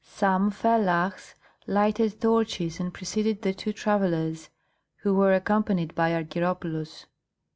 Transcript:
Some fellahs lighted torches and preceded the two travellers, who were accompanied by Argyropoulos.